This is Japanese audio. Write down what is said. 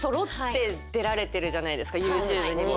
ＹｏｕＴｕｂｅにも。